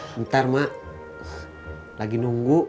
bentar mak lagi nunggu